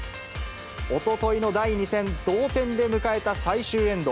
おとといの第２戦、同点で迎えた最終エンド。